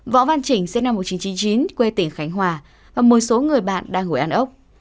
võ văn chỉnh sinh năm một nghìn chín trăm chín mươi chín quê tỉnh khánh hòa và một số người bạn đang ngồi ăn ốc